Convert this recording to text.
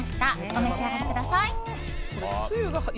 お召し上がりください。